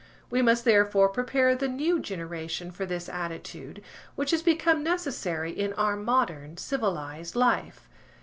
We must therefore prepare the new generation for this attitude, which has become necessary in our modern civilised life.